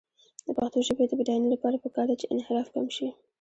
د پښتو ژبې د بډاینې لپاره پکار ده چې انحراف کم شي.